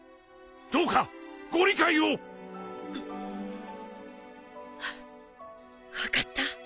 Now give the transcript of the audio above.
どうかご理解を！分かった。